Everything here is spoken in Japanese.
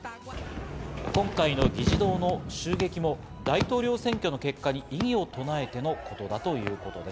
今回の議事堂の襲撃も大統領選挙の結果に異議を唱えてのことだということです。